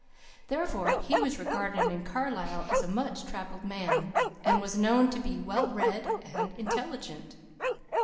Therefore he was regarded in Carlisle as a much travelled man; and he was known to be "well read" and intelligent.